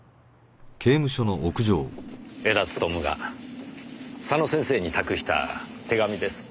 江田勉が佐野先生に託した手紙です。